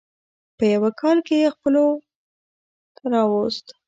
په یوه کال کې یې خپلو خوټو ته راوست.